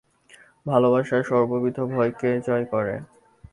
ভালবাসা সর্ববিধ ভয়কে জয় করে।